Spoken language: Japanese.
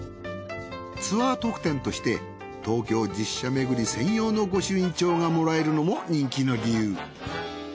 ツアー特典として東京十社めぐり専用の御朱印帳がもらえるのも人気の理由。